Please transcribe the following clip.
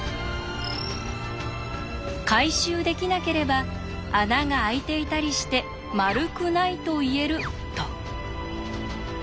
回収できなければ穴が開いていたりして丸くないと言えると。